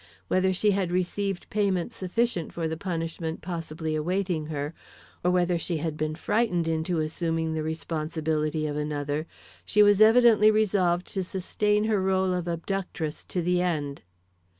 Whether she had received payment sufficient for the punishment possibly awaiting her, or whether she had been frightened into assuming the responsibility of another, she was evidently resolved to sustain her role of abductress to the end.